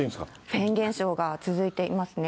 フェーン現象が続いていますね。